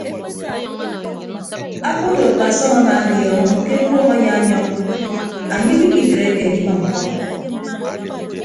Akpodo akpasọm amaadiọọñọ ke ekuọñ ayaanyọñ anye ikpikitreke edimʌm ñkʌp.